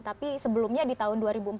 tapi sebelumnya di tahun dua ribu empat belas